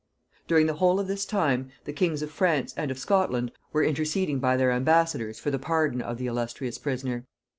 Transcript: During the whole of this time, the kings of France and of Scotland were interceding by their ambassadors for the pardon of the illustrious prisoner.